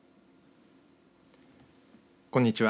こんにちは。